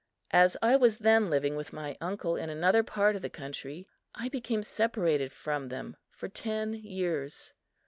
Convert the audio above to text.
As I was then living with my uncle in another part of the country, I became separated from them for ten years.